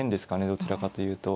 どちらかというと。